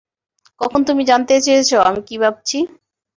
কখনো তুমি জানতে চেয়েছ আমি কি ভাবছি।